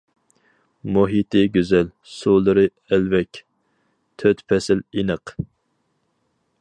مۇھىتى گۈزەل، سۇلىرى ئەلۋەك، تۆت پەسىل ئېنىق.